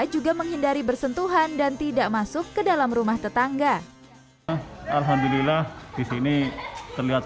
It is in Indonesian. juga menghindari bersentuhan dan tidak masuk ke dalam rumah tetangga alhamdulillah disini terlihat